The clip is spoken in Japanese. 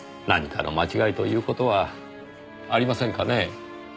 何かの間違いという事はありませんかねぇ。